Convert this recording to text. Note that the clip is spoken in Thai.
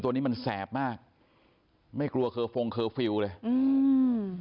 ตัวนี้มันแสบมากไม่กลัวเคอร์ฟงเคอร์ฟิลล์เลยอืม